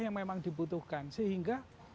yang memang dibutuhkan sehingga